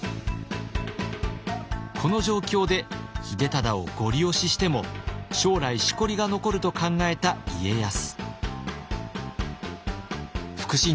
この状況で秀忠をゴリ押ししても将来しこりが残ると考えた家康。